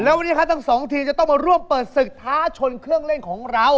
แล้ววันนี้ครับทั้งสองทีมจะต้องมาร่วมเปิดศึกท้าชนเครื่องเล่นของเรา